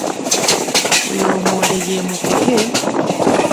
Oyo lumonde ye mukeke.